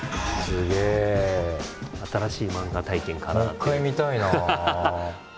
もう一回見たいな。